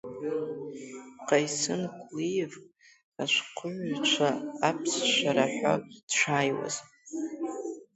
Ҟаисын Кәлиев ашәҟәыҩҩцәа аԥсшәа раҳәо дшааиуаз…